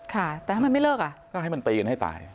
ค่ะแต่ถ้ามันไม่เลิกอ่ะก็ให้มันตีกันให้ตาย